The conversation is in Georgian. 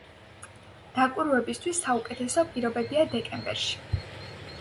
დაკვირვებისათვის საუკეთესო პირობებია დეკემბერში.